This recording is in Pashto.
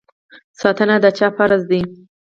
ساتنه د چا فرض دی؟